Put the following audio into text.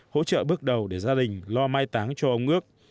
hỗ trợ bước đầu để gia đình lo mai táng cho ông ước